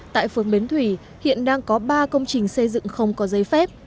tại phường bến thủy hiện đang có ba công trình xây dựng không có giấy phép